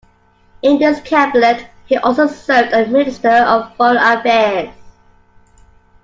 In this cabinet, he also served as Minister of Foreign Affairs.